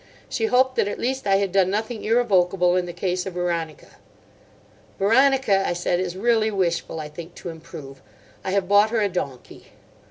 She hoped that, at least, I had done nothing irrevocable in the case of Veronica. "Veronica," I said, "is really wishful, I think, to improve. I have bought her a donkey."